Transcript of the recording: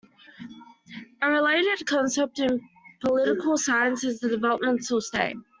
A related concept in political science is the developmental state.